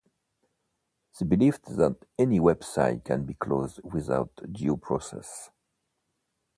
They believed that any website can be closed without due process.